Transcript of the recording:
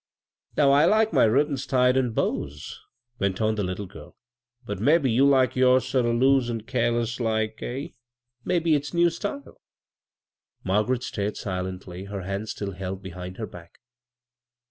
" Now I likes my ribb'ns tied in bows," went on the little girlj " but mebbe you tikes yours sort o' loose an' careless like — eh ? Mebbe it's new style." Margaret stared silendy, her hands still held behind her back.